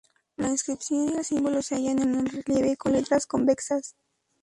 La inscripción y el símbolo se hallan en relieve, con letras convexas.